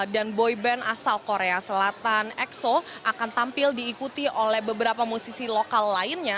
dan boyband asal korea selatan xo akan tampil diikuti oleh beberapa musisi lokal lainnya